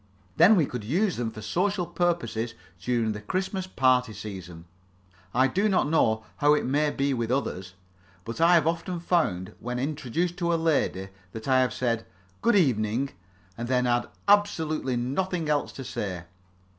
Then we could use them for social purposes during the Christmas party season. I do not know how it may be with others, but I have often found, when introduced to a lady, that I have said "Good evening," and then had absolutely nothing else to say.